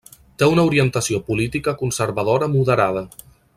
Té una orientació política conservadora moderada.